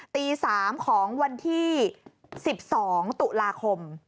ตี๓ของวันที่๑๒ตุลาคม